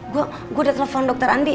gue udah telepon dokter andi